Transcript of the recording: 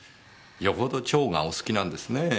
よほど蝶がお好きなんですねぇ。